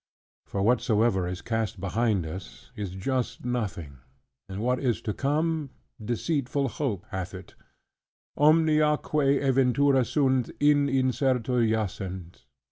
For whatsoever is cast behind us, is just nothing: and what is to come, deceitful hope hath it: "Omnia quae eventura sunt, in incerto jacent."